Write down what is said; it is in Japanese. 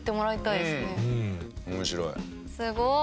すごい！